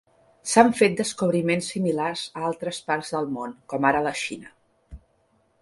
S'han fet descobriments similars a altres parts del món, com ara la Xina.